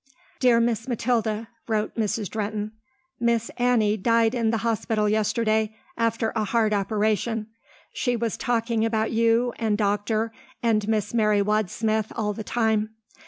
"Dear Miss Mathilda," wrote Mrs. Drehten, "Miss Annie died in the hospital yesterday after a hard operation. She was talking about you and Doctor and Miss Mary Wadsmith all the time.